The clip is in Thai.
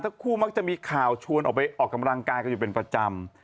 คู่มักจะมีข่าวชวนออกไปออกกำลังกายกันอยู่เป็นประจำ